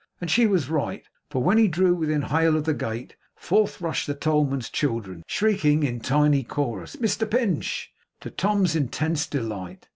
And she was right, for when he drew within hail of the gate, forth rushed the tollman's children, shrieking in tiny chorus, 'Mr Pinch!' to Tom's intense delight.